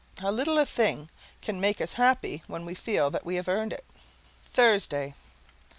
How little a thing can make us happy when we feel that we have earned it! THURSDAY.